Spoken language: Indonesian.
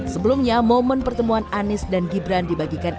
sebelumnya momen pertemuan anies dan gibran dibagikan